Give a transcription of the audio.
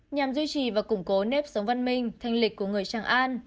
nhằm duy trì và củng cố nếp sống văn minh thanh lịch của người tràng an